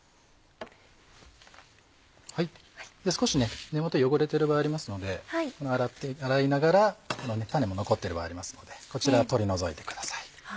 少し根元汚れてる場合ありますので洗いながら種も残ってる場合ありますのでこちら取り除いてください。